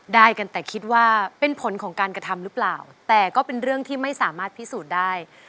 ได้กันแต่คิดว่าเป็นผลของการกระทำหรือเปล่าแต่ก็เป็นเรื่องที่ไม่สามารถพิสูจน์ได้